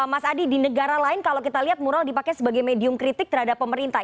mas adi di negara lain kalau kita lihat mural dipakai sebagai medium kritik terhadap pemerintah